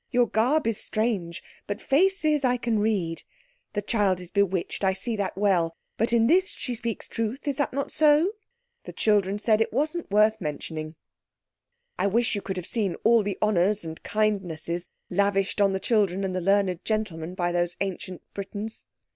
Your garb is strange, but faces I can read. The child is bewitched, I see that well, but in this she speaks truth. Is it not so?" The children said it wasn't worth mentioning. I wish you could have seen all the honours and kindnesses lavished on the children and the learned gentleman by those ancient Britons.